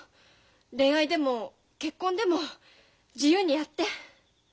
恋愛でも結婚でも自由にやって。